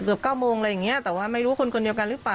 เก้าโมงอะไรอย่างเงี้ยแต่ว่าไม่รู้คนคนเดียวกันหรือเปล่า